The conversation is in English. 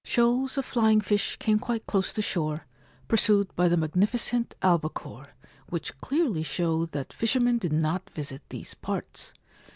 Shoals of flying fish came quite close to shore, pursued by the magnificent albacore ; which clearly showed that fishermen did not visit these parts.